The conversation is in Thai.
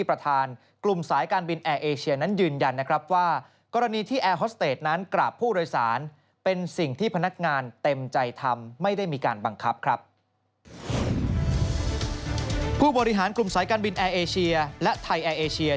ผู้บริหารกลุ่มสายการบินแอร์เอเชียและไทยแอร์เอเชีย